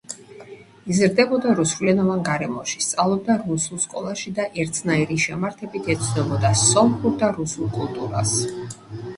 იზრდებოდა რუსულენოვან გარემოში, სწავლობდა რუსულ სკოლაში და ერთნაირი შემართებით ეცნობოდა სომხურ და რუსულ კულტურას.